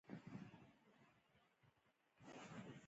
د حجروي جوړښت له نظره ډېر لومړنی شکل لري.